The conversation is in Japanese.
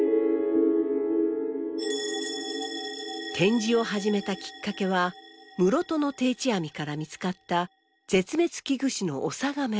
展示を始めたきっかけは室戸の定置網から見つかった絶滅危惧種のオサガメ。